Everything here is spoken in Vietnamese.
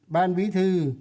ban bí thư